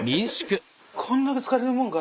こんだけ疲れるもんか？